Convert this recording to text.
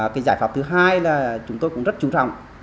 cái giải pháp thứ hai là chúng tôi cũng rất chú trọng